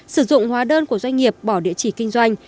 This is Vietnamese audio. sử dụng hóa đơn của doanh nghiệp bỏ địa chỉ kinh doanh